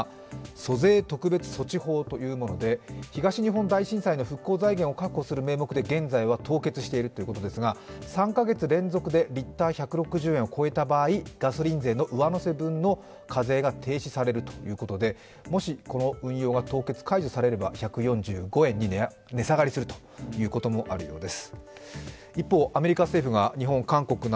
租税特別措置法という、東日本大震災の財源を確保する名目で現在は凍結しているということですが、３カ月連続でリッター１６０円を超えた場合ガソリン税の上乗せ分の課税が停止されるということで、もしこの運用が凍結解除されれば、１４５円に値下がりするということもあるようです。